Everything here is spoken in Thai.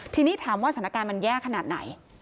ทีนี้ถามว่าสถานการณ์มันแย่ขนาดไหน